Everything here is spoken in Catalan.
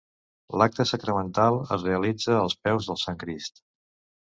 L'acte sacramental es realitza als peus del Sant Crist.